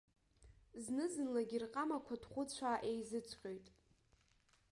Зны-зынлагьы рҟамақәа ҭӷәыцәаа еизыҵҟьоит.